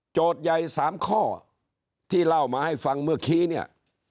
ใหญ่๓ข้อที่เล่ามาให้ฟังเมื่อกี้เนี่ย